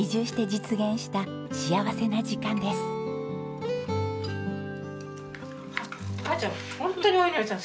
晴ちゃん